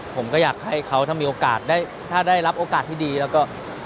ผมก็อยากให้เขาถ้ามีโอกาสได้ถ้าได้รับโอกาสที่ดีแล้วก็